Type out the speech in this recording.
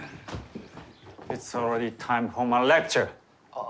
ああ。